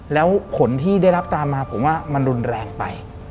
แล้วผลที่ได้รับตามมาผมว่ามันรุนแรงไป